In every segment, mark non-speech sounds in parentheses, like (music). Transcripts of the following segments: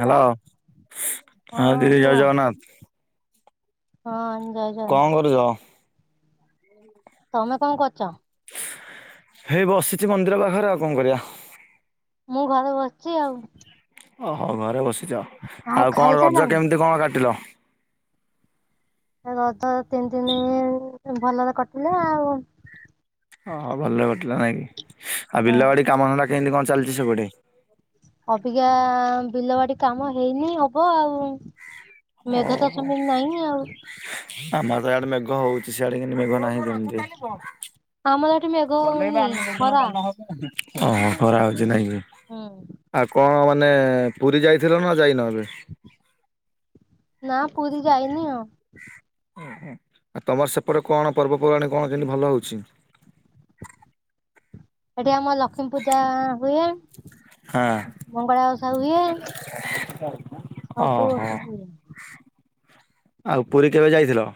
Hello ହଁ ଦିଦି ଜୟ ଜଗନ୍ନାଥ। ହଁ। ଜୟ ଜଗନ୍ନାଥ କଣ କରୁଛ? ତମେ କଣ କରୁଛ? ହେଇ ବସିଛି ମନ୍ଦିର ପାଖରେ ଆଉ କଣ କରିବା। ମୁଁ ଘରେ ବସିଛି ଆଉ। ଓହୋ ଘରେ ବସିଛ ଆଉ କଣ ରଜ କେମିତି କଣ କାଟିଲ? ରଜ ତିନି ଦିନି ଭଲରେ କଟିଲା ଆଉ ଓହୋ ଭଲରେ କଟିଲା ନାଇଁ କି ଆଉ ହଁ। ବିଲବାଡି କାମଧନ୍ଧା କେମିତି କଣ ଚାଲିଛି ସେପଟେ? ଅଭିକା ବିଲ ବାଡି କାମ ହେଇନି ହବ ଆଉ। ମେଘ ତ ଓହୋ ସେମିତି ନାହିଁ ଆଉ। ଆମର ତ ଇଆଡେ ମେଘ ହଉଛି ସିଆଡେ କିନ୍ତୁ ମେଘ ନାହିଁ କେମିତି? ଆମର ଏଠି ମେଘ ଚଲେଇବା ହଉନି ଆମେ ଯୋଉ ଦିନ ଖରା ମନ ହ ଓହୋ ଖରା ହଉଛି ନାଇଁ କି? ହଁ। ଆଉ କଣ ମାନେ ପୁରୀ ଯାଇଥିଲ ନା ଯାଇନ ଏବେ? ନା ପୁରୀ ଯାଇନି ଆଉ। ଓ ଆଉ ତମର ସେପଟେ କଣ ପର୍ବପର୍ବାଣି କଣ କେମିତି ଭଲ ହଉଛି? ଏଠି ଆମର ଲକ୍ଷ୍ମୀ ପୂଜା ହୁଏ ହଁ ମଙ୍ଗଳା ଓଷା ହୁଏ ସବୁ ଓହୋ ଓଷା ହୁଏ ଆଉ ପୁରୀ କେବେ ଯାଇଥିଲ?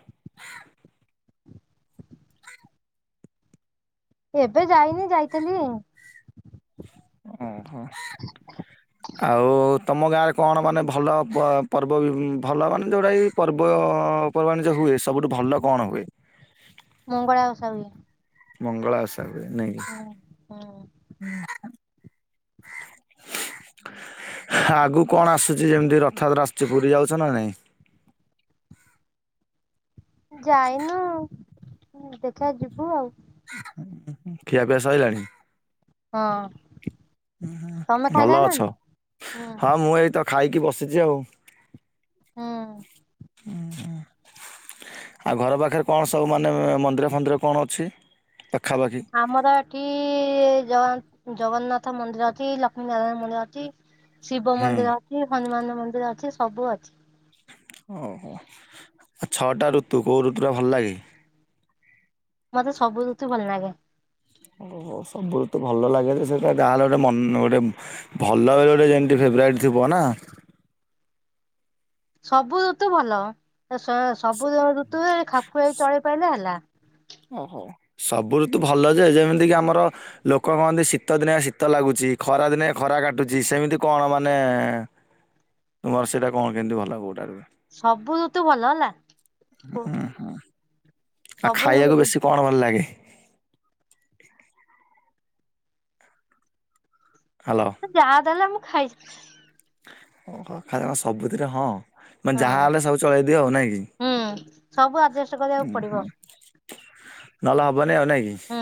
ଏବେ ଯାଇନି ଯାଇଥିଲି ଅ ହ। (inaudible) ଆଉ ତମ ଗାଁରେ କଣ ମାନେ ଭଲ ପର୍ବ ଭଲ ମାନେ ଯୋଉଟାକି ପର୍ବ ପର୍ବ ମାନେ ଯୋଉ ହୁଏ ସବୁଠୁ ଭଲ କଣ ହୁଏ? ମଙ୍ଗଳା ଓଷା ହୁଏ। ମଙ୍ଗଳା ଓଷା ହୁଏ ନାଇ ହୁଁ। (inaudible) ଆଗୁ କଣ ଆସୁଛି ଯେମିତି ରଥଯାତ୍ରା ଆସୁଛି ପୁରୀ ଯାଉଛ ନା ନାଇଁ? ଯାଇନୁ ଦେଖିବା ଯିବୁ ଆଉ। ଖିଆପିଆ ସଇଲାଣି? ହଁ। ତମେ ଭଲ ଖାଇସାଇଲଣି ଅଛ ନା? ହୁଁ ହଁ ମୁଁ ଏଇ ତ ଖାଇକି ବସିଛି ଆଉ। ହୁଁ ହୁଁ ହୁଁ। ଆଉ ଘର ପାଖରେ କଣ ସବୁ ମାନେ ମନ୍ଦିର ଫନ୍ଦିର କଣ ଅଛି ପାଖାପାଖି? ଆମର ଏଠି ଜଗନ୍ନାଥ ମନ୍ଦିର ଅଛି ଲକ୍ଷ୍ମୀ ନାରାୟଣ ମନ୍ଦିର ଅଛି। ଶିବ ହୁଁ ମନ୍ଦିର ଅଛି ହନୁମାନ ମନ୍ଦିର ଅଛି ସବୁ ଅଛି। ଓହୋ ଆଉ ଛଅଟା ଋତୁ କୋଉ ଋତୁ ଟା ଭଲ ଲାଗେ? ମତେ ସବୁ ଋତୁ ଭଲ ଲାଗେ। ସବୁବେଳେ ଋତୁ ଭଲ ଲାଗେ ଯେ ସେଇଟା ଗାଁରେ ଗୋଟେ ମନ ଗୋଟେ ଭଲ ଗୋଟେ ଯେମିତି ଫେବରାଇଟ୍ ଥିବ ନା? ସବୁ ଋତୁ ଭଲ ସ ସବୁ ଋତୁ ଖାପ ଖୁଆଇ ଚଳେଇ ପାଇଲେ ହେଲା। ଓହୋ ସବୁ ଋତୁ ଭଲ ଯେ ଯେମିତି କି ଆମର ଲୋକ କହନ୍ତି ଶୀତ ଦିନେ ଶୀତ ଲାଗୁଛି ଖରା ଦିନେ ଖରା କାଟୁଛି ସେମିତି କଣ ମାନେ (inaudible) ତୁମର ସେଇଟା କଣ କେମିତି ଭଲ କୋଉଟା? ସବୁ ଋତୁ ଭଲ ହେଲା। ଉୁଁ ହୁଁ ଆଉ ସବୁ ଖାଇବାକୁ ବେଶୀ କଣ ଭଲ ଲାଗେ? ହାଲୋ। ଯାହା ଦେଲେ ମୁଁ ଖାଇଛି। କଣ ଖାଅ ସବୁଥିରେ ହଁ ହଁ ମାନେ ଯାହା ହେଲେ ସବୁ ଚଳେଇ ଦିଅ ଆଉ ନାଇଁ କି? ହୁଁ ସବୁ ଆଜେଷ୍ଟ। ହୁଁ ହୁଁ ନହଲେ ହବନି ଆଉ ନାଇଁ କି? ହୁଁ।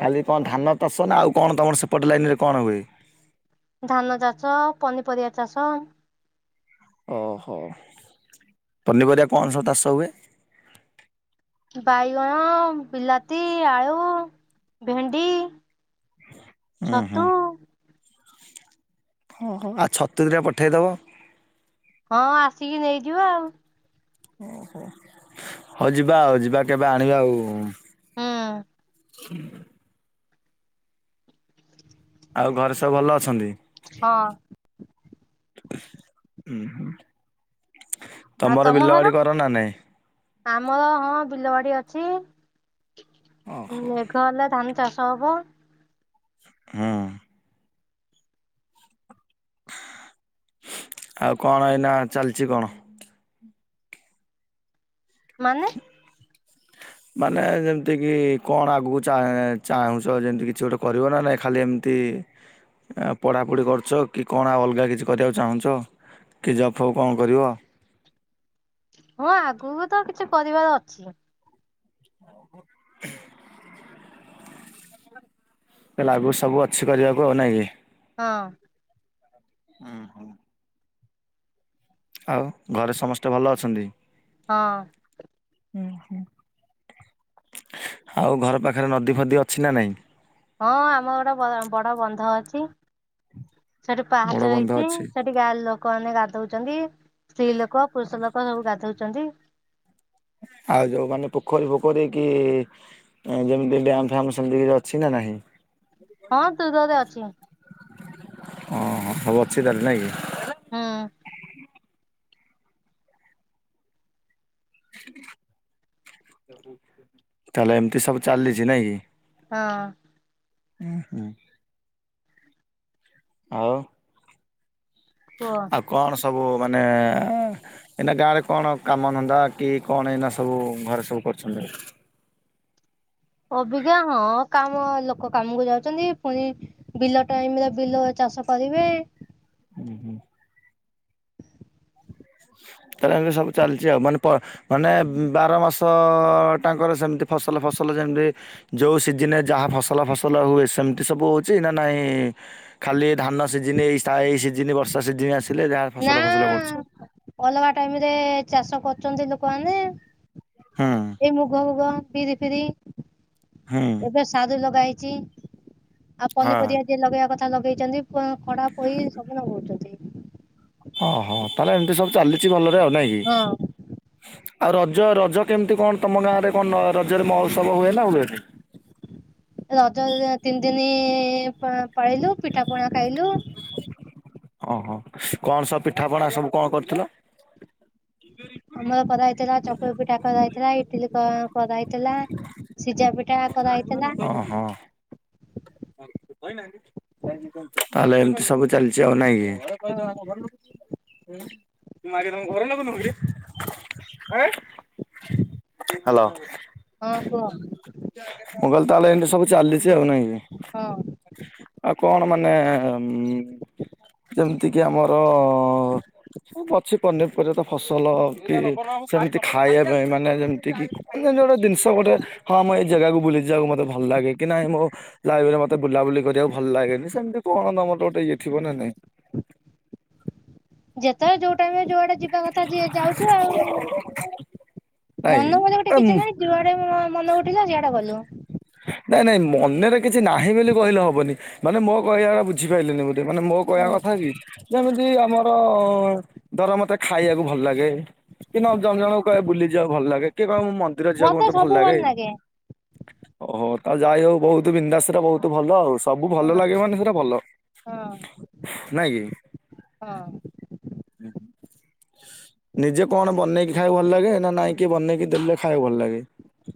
ଖାଲି କଣ ଧାନ ଚାଷ ନା ଆଉ କଣ ତମର ସେପଟେ ଲାଇନରେ କଣ ହୁଏ? ଧାନ ଚାଷ ପନିପରିବା ଚାଷ। ଓହୋ ପନିପରିବା କଣ ସ ଚାଷ ହୁଏ? ବାଇଗଣ ବିଲାତି ଆଳୁ ଭେଣ୍ଡି। ହୁଁ ଛତୁ। ହୁଁ ହଁ ଆଉ ଛତୁ ଦିଟା ପଠେଇଦବ। ହଁ ଆସିକି ନେଇଯିବ ଆଉ ଓହୋ ହଉ ଯିବା ଆଉ ଯିବା କେବେ ଆଣିବା ଆଉ ହୁଁ। ହୁଁ ଆଉ ଘରେ ସବୁ ଭଲ ଅଛନ୍ତି? ହଁ। ହୁଁ ହୁଁ ଆଉ ତମ ଘର ଆମର ହଁ ବିଲବାଡି ଅଛି। ଓହୋ। ମେଘ ହେଲେ ଧାନ ଚାଷ ହବ। ହୁଁ। ଆଉ କଣ ଏଇନା ଚାଲିଛି କଣ? ମାନେ ମାନେ ଯେମିତିକି କଣ ଆଗକୁ ଚା ଚା ଚାହୁଁଛ ଯେମିତି କିଛି ଗୋଟେ କରିବ ନା ନାଇଁ ଖାଲି ଏମତି ପଢ଼ାପଢ଼ି କରୁଛ କି କଣ ଆଉ ଅଲଗା କିଛି କରିବାକୁ ଚାହୁଁଛ? କି ଜବ୍ ଫବ୍ କଣ କରିବ? ହଁ ଆଗକୁ ତ କିଛି କରିବାର ଅଛି। (inaudible) ଲାଗୁ ସବୁ ଅଛି କରିବାକୁ ଆଉ ନାଁ କି? ହଁ। ହଁ ହଁ। ଆଉ ଘରେ ସମସ୍ତେ ଭଲ ଅଛନ୍ତି? ହଁ। ହୁଁ ହୁଁ। ଆଉ ଘର ପାଖରେ ନଦୀ ଫଦୀ ଅଛି ନା ନାଇଁ? ହଁ ଆମର ଗୋଟେ ବ ବଡ ବନ୍ଧ ଅଛି ସେଠି ବଡ ପାହାଚ ବନ୍ଧ ହେଇଚି। ଅଛି ସେ ଠି ଗାଁର ଲୋକମାନେ ଗାଧୋଉଛନ୍ତି। ସ୍ତ୍ରୀ ଲୋକ ପୁରୁଷ ଲୋକ ସବୁ ଗାଧୋଉଚନ୍ତି। ଆଉ ଯୋଉ ମାନେ ପୋଖୋରୀ ଫୋକୋରୀ କି ଆଉ ଯେମିତି ଡ୍ୟାମ୍ ଫ୍ୟାମ୍ ସେମିତି କିଛି ଅଛି ନା ନାହିଁ? ହଁ ଦୂରରେ ଅଛି ହଁ। ହଁ ହଁ ହଉ ଅଛି ତାହେଲେ ନାଇଁ କି? ହଁ। ତାହେଲେ ଏମିତି ସବୁ ଚାଲିଛି। ନାଇଁ କି? ହଁ। ଉୁଁ ହୁଁ। ଆଉ? ହୁଅ। ଆଉ କଣ ସବୁ ମାନେ ଏ ଏଁ ଏଇନା ଗାଁରେ କଣ କାମଧନ୍ଦା କି କଣ ଏଇନା ସବୁ ଘରେ ସବୁ କରୁଛନ୍ତି? ଅବିଜ୍ଞା ହଁ କାମ ଲୋକ କାମକୁ ଯାଉଚନ୍ତି ପୁଣି ବିଲ ଟାଇମରେ ବିଲ ଚାଷ କରିବେ। ହୁଁ ହୁଁ ତା ହେଲେ ସବୁ ଚାଲିଛି ଆଉ ମାନେ ମାନେ ବାର ମାସ ତ ଟାଙ୍କର ସେମିତି ଫସଲ ଫସଲ ଯେମିତି ଯୋଉ ସିଜିନରେ ଯାହା ଫସଲ ଫସଲ ହୁଏ ସେମିତି ସବୁ ହୋଉଚି ନା ନାଇଁ ଖାଲି ଧାନ ସିଜିନ ଏଇ ସାଇ ସିଜିନ ବର୍ଷା ସିଜିନ ଆସିଲେ ଯାହା ଫସଲ ନା ଫସଲ କରୁଛ? ଅଲଗା ଟାଇମିରେ ଚାଷ କରୁଚନ୍ତି ଲୋକମାନେ। ହଁ। ଏଇ ମୁଗ ଫୁଗ ବିରି ଫିରି ହୁଁ। ସାରୁ ଲଗା ହେଇଚି ଆଉ ହଁ ପନିପରିବା ଜିଏ ଲଗେଇବା କଥା ଲଗେଇଚନ୍ତି। ପ ଖଡା ପୋଇ ସବୁ ନଗୋଉଚନ୍ତି। ହଁ ହଁ ତାହେଲେ ଏମିତି ସବୁ ଚାଲିଚି ଭଲରେ ଆଉ। ନାଇଁ କି? ହଁ ଆଉ ରଜ ରଜ କେମିତି କଣ ତମ ଗାଁରେ କଣ ରଜରେ ମହୋତ୍ସବ ହୁଏ ନା ହୁଏନି? ରଜ ତିନି ଦିନି ପା ପାଳିଲୁ ପିଠା ପଣା ଖାଇଲୁ। ହଁ ହଁ କଣ ସବୁ ପିଠାପଣା ସବୁ କଣ କରିଥିଲ? ଆମର କରାହେଇଥିଲା ଚକୁଳି ପିଠା କରାହେଇଥିଲା ଇଡିଲି କ କରାହେଇଥିଲା। ସିଜା ପିଠା କରାହେଇଥିଲା ହଁ ହଁ। (inaudible) ତାହେଲେ ଏମତି ସବୁ ଚାଲିଚି ଆଉ ନାଇଁ ହଁ କି? ମୁଁ ଆଜ୍ଞା ତମ ଘର ଲୋକ ନୁହେଁ କି? ହାଲୋ। ହଁ କୁହ? ମୁଁ କହିଲି ତାହେଲେ ଏମତି ସବୁ ଚାଲିଚି ଆଉ। ନାଇଁକି? ହଁ। ଆଉ କଣ ମାନେ ଯେମିତି କିି ଆମର ମୁଁ ପଛି କରିନି ଏପର୍ଯ୍ୟନ୍ତ କି ଫସଲ କି ସେମିତି ଖାଇବା ପାଇଁ ମାନେ ଯେମିତି କି ଅନ୍ୟାନ୍ୟ ଗୋଟେ ଜିନିଷ ଗୋଟେ ହଁ ମୁଁ ଏଇ ଜାଗାକୁ ବୁଲି ଯିବାକୁ ମତେ ଭଲ ଲାଗେ କି ନାହିଁ ମୋ ଲାଇବେରିରେ ମତେ ବୁଲାବୁଲି କରିବାକୁ ଭଲ ଲାଗେନି ସେମିତି କଣ ତମର ଗୋଟେ ଇଏ ଥିବ ନା ନାଇଁ? ଯେତେବେଳେ ଯୋଉ ଟାଇମରେ ଯୁଆଡେ ଯିବ ଯିବା କଥା ଯିଏ ଯାଉଛୁ ଆଉ, ନାଇଁ ମନ ପୁଣି ଗୋଟେ ଆ, କିଛି ନାଇଁ ନାହିଁ? ଯୁଆଡେ ମ୍ ମନ ଉଠିଲା ସିଆଡେ ଗଲୁ। ନାଇଁ ନାଇଁ ମନେରେ କିଛି ନାହିଁ ବୋଲି କହିଲେ ହବନି ମାନେ ମୋ କହିବା ବୁଝିପାରିଲେନି (unintelligible) ମାନେ ମୋ କହିବା କଥା କି ଯେମ ମିତି ଆମର ଧର ମତେ ଖାଇବାକୁ ଭଲ ଲାଗେ। କି ଜଣଜଣକୁ କହିବେ ବୁଲି ଯିବାକୁ ଭଲ ଲାଗେ, କିଏ କହିବ ମୁଁ ମନ୍ଦିର ଯିବାକୁ ମତେ ଭଲ ଲାଗେ। ଓହୋ ତା ଯାଇ ହଉ ବହୁତ ବିନ୍ଦାସଟା ବହୁତ ଭଲ ଆଉ। ସବୁ ଭଲ ହଁ ଲାଗେ ମାନେ ସେଟା ଭଲ ହଁ ନାଇଁ କି? ହଁ। (unintelligible) ନିଜେ କଣ ବନେଇକି ଖାଇବାକୁ ଭଲ ଲାଗେ ନା ନାଇଁ କିଏ ବନେଇକି ଦେଲେ ଖାଇବାକୁ ଭଲ ଲାଗେ?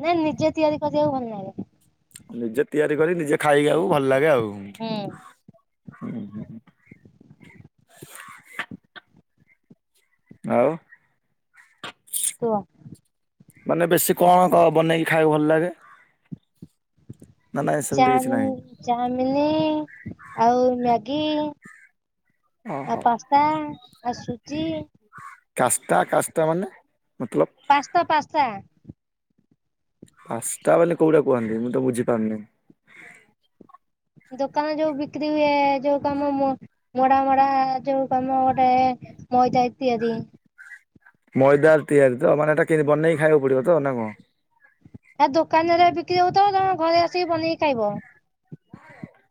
ନା ନିଜେ ତିଆରି କରିବାକୁ ଭଲ ଲାଗେ। ନିଜେ ତିଆରି କରି ନିଜେ ଖାଇଆକୁ ଭଲ ଲାଗେ ଆଉ। ହୁଁ। ହୁଁ ହୁଁ। ଆଉ। କୁହ। ମାନେ ବେଶୀ କଣ ବନେଇକି ଖାଇବାକୁ ଭଲ ଲାଗେ? ନା ନାଇଁ ସେମିତି କିଛି ଚାଉମିନ ନାହିଁ। ଚାଉମିନ ଆଉ ମ୍ୟାଗି ଆଉ ଓହୋ। ପାସ୍ତା, ଆଉ ସୁଜି କାଷ୍ତା କାଷ୍ତା ମାନେ ମତଲବ ପାସ୍ତା ପାସ୍ତା। ପାସ୍ତା ମାନେ କୋଉଟାକୁ କୁହନ୍ତି ମୁଁ ତ ବୁଝିପାରୁନି? ଦୋକାନ ଯୋଉ ବିକ୍ରି ହୁଏ ଯୋଉ ତମ ମ ମଡା ମଡା ଯୋଉ ତମ ଗୋଟେ ମଇଦା ଇତ୍ୟାଦି। ମଇଦାରେ ତିଆରି ତ ମାନେ ଏଟା କେ ବନେଇକି ଖାଇକୁ ପଡିବ ତ ନା କଣ? ଆ ଦୋକାନରେ ବିକ୍ରି ହଉଥିବ ତମେ ଘରେ ଆସି ବନେଇକି ଖାଇବ।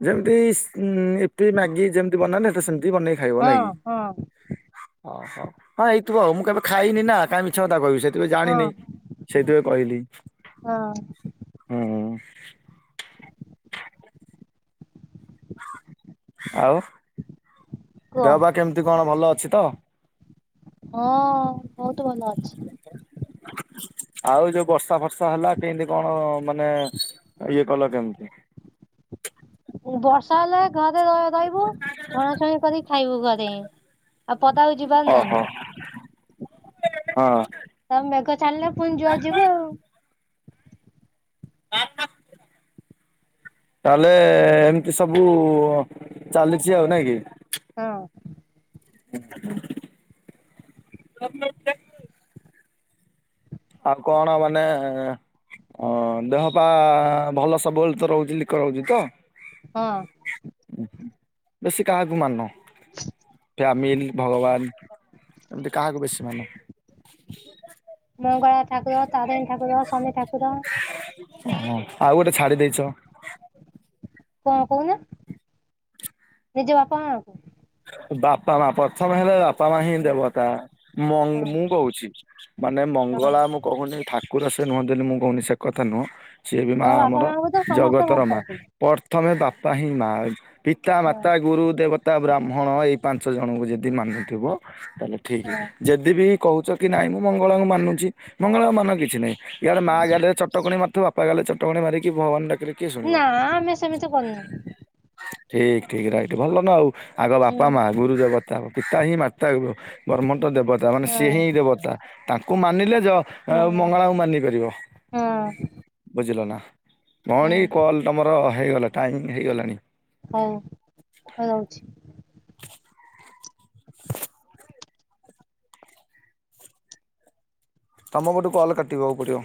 ଯେମତି ଇସ୍ ଇପି, ମ୍ୟାଗି ଯେମତି ବନାତି ଏଇଟା ସେମିତି ବନେଇକି ଖାଇବ ହଁ ନାଇଁ କି? ହଁ ଓହୋ ହଁ ଏଇଥିବ ଆଉ ମୁଁ କେବେ ଖାଇନିନା କାଇଁ ମିଛ କଥା କହିବି, ସେ କେବେ ଜାଣିନି ହଁ ସେଇଥିପାଇଁ କହିଲି ହଁ ହୁଁ ହୁଁ। ଆଉ କୁହ ଦେହ ପା କେମିତି କଣ ଭଲ ଅଛି ତ? ହଁ ବହୁତ ଭଲ ଅଛି। ଆଉ ଯୋଉ ବର୍ଷା ଫର୍ଷା ହେଲା କେମିତି କଣ ମାନେ ଇଏ କଲ କେମିତି? ବର୍ଷା ହେଲେ ଘରେ ର ରହିବୁ, ଛଣାଛଣି କରି ଖାଇବୁ ଘରେ। ଆଉ ପଦାକୁ ଯିବାର ନାଇଁ। ଓହୋ ହଁ। (unintelligible) ମେଘ ଛାଡ଼ିଲେ ପୁଣି ଯୁଆଡେ ଯିବୁ ଆଉ। (unintelligible) ତାହେଲେ ଏମିତି ସବୁ ଚାଲିଛି ଆଉ ନାଇଁ କି? ହଁ। (unintelligible) ଆଉ କଣ ମାନେ? ଅ ଦେହ ପା ଭଲ ସବୁବେଳେ ତ ରହୁଛି ଲିକ ରହୁଛି ତ? ହଁ। ବେଶୀ କାହାକୁ ମାନ? ଫ୍ୟାମିଲ ଭଗବାନ ଏମିତି କାହାକୁ ବେଶୀ ମାନ? ମଙ୍ଗଳା ଠାକୁର ତାରିଣୀ ଠାକୁର ଶନି ଠାକୁର। ଓହୋ ଆଉ ଗୋଟେ ଛାଡି ଦେଇଛ। କଣ କହୁନା ନିଜ ବାପା ମା ଙ୍କୁ? ବାପା ମା ପ୍ରଥମେ ହେଲେ ବା ପା ମା ହିଁ ହଁ ଦେବତା ମ ହଁ ମୁଁ କହୁଛି ମାନେ ହଁ ମଙ୍ଗଳା ମୁ କହୁନି ଠାକୁର ସେ ନୁହଁନ୍ତି ବୋଲି ମୁଁ କହୁନି ସେ କଥା ନୁହଁ। ସିଏ ବି ମା ହଁ ବାପା ଆମର ମାଙ୍କୁ ତ ସମସ୍ତେ ଜଗତର ଭଲ ମା। ପାଆନ୍ତି ପ୍ରଥମେ ବାପା ହିଁ ମା ପିତା ହଁ ମାତା ଗୁରୁ ଦେବତା ବ୍ରା ହଁ ଏଇ ପାଞ୍ଚ ଜଣଙ୍କୁ ଯଦି ମାନୁଥିବ ତାହେଲେ ଠିକ। ହଁ ଯଦି ବି କହୁଛ କି ନାହିଁ ମୁଁ ମଙ୍ଗଳାଙ୍କୁ ମାନୁଛି ମଙ୍ଗଳା ମାନ କିଛି ନାହିଁ। ୟାଡେ ମା ହଁ ଗାଲେ ଚଟକଣି ମାରୁଥିବ ବାପା ଗାଲେ ଚଟକଣି ମାରିକି ଭଗବାନ ଡାକିଲେ କିଏ ଶୁଣିବ। ନା ଆମେ ସେମିତି କରନୁ। ଠିକ ଠିକ ରାଇଟ ଭଲନା ଆଉ ଆଗ ହୁଁ ବାପା ମା ଗୁରୁଦେବତା। ପିତା ହିଁ ମାାର୍ତା ବ୍ରହ୍ମଟ ଦେବତା ମାନେ ହଁ ସିଏ ହିଁ ଦେବତା ତାଙ୍କୁ ମାନିଲେ ଯ ହଁ ହୁଁ ମଙ୍ଗଳାକୁ ମାନି ପାରିବ ହଁ ବୁଝିଲ ନା ହୁଁ ଭଉଣୀ କଲ ମୋର ହେଇଗଲା ଟାଇମ ହେଇଗଲାଣି। ହଉ ହଉ ରହୁଛି। ତମ ପଟୁ କଲ୍ କାଟିଆକୁ ପଡ଼ିବ।